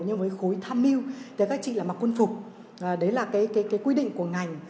nhưng với khối tham mưu các chị là mặc quân phục đấy là quy định của ngành